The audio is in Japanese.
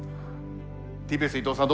ＴＢＳ伊藤さん